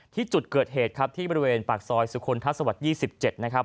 ที่จุดเกิดเหตุครับที่บริเวณปากซอยสุคลทัศวรรค์๒๗นะครับ